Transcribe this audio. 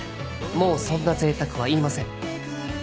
もうそんな贅沢は言いません。